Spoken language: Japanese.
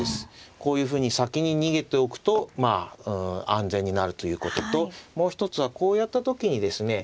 こういうふうに先に逃げておくとまあ安全になるということともう一つはこうやった時にですね